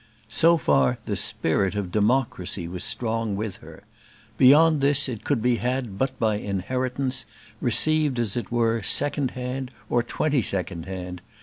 So far the spirit of democracy was strong with her. Beyond this it could be had but by inheritance, received as it were second hand, or twenty second hand.